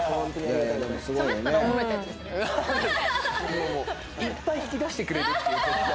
もういっぱい引き出してくれるっていう。